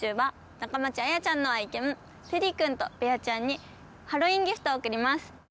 中町綾ちゃんの愛犬テディくんとベアちゃんにハロウィーンギフトを贈ります。